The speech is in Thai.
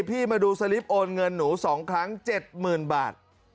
พี่มาดูสลิปโอนเงินหนู๒ครั้ง๗๐๐๐บาท